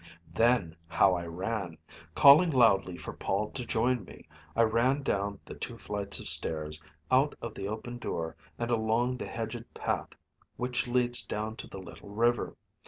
Then how I ran! Calling loudly for Paul to join me, I ran down the two flights of stairs, out of the open door, and along the hedged path which leads down to the little river.